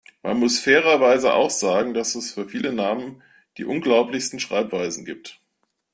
Man muss fairerweise auch sagen, dass es für viele Namen die unglaublichsten Schreibweisen gibt.